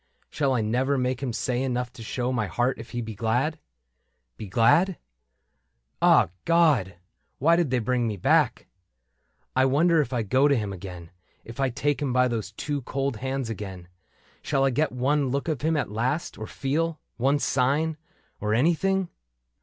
Shall I never make him say enough to show My heart if he be glad ? Be glad ?.•• ah ! God, Why did they bring me back ? I wonder, if I go to him again. If I take him by those two cold hands again. Shall I get one look of him at last, or feel One sign — or anything